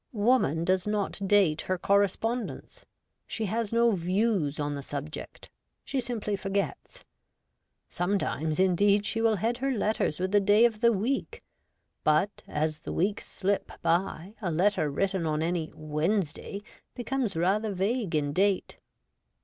Woman does not date her correspondence. She has no ' views ' on the subject ; she simply forgets. Sometimes, indeed, she will head her letters with the day of the week ; but, as the weeks slip by, a letter written on any ' Wednesday ' becomes rather vague in date.